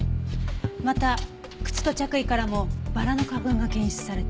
また靴と着衣からもバラの花粉が検出された。